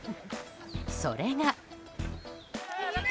それが。